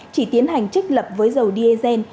chỉ tiến hành trích lập với dầu diesel